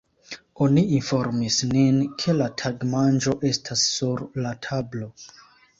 Oni informis nin, ke la tagmanĝo estas sur la tablo.